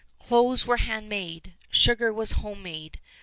Clothes were homemade. Sugar was homemade.